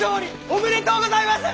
おめでとうございます！